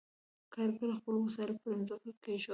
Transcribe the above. کارګرو خپل وسایل پر ځمکه کېښودل.